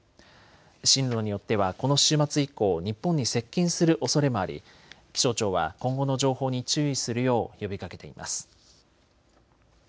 進路によってはこの週末以降、日本に接近するおそれもあり気象庁は今後の情報に注意するよう呼びかけています。